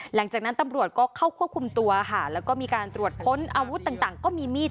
หลังจากนั้นตำรวจก็เข้าควบคุมตัวค่ะแล้วก็มีการตรวจค้นอาวุธต่างก็มีมีด